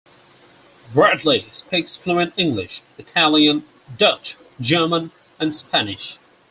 Bradley speaks fluent English, Italian, Dutch, German and Spanish.